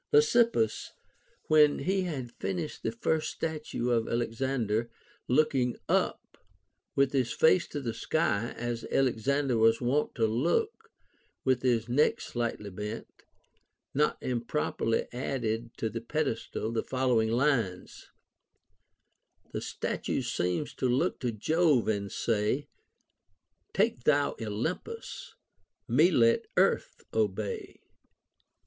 Lysippus, when he had finished the first statue of Alexander looking up with his face to the sky (as Alexander was wont to look, with his neck slightly bent), not improperly added to the pedestal the following lines :— The statue seems to look to Jove and say, Take thou Olympus ; me let Earth obey 1 * Alcman, Frag. 27. OF ALEXANDER THE GREAT.